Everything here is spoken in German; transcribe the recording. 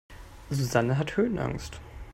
Susanne hat Höhenangst.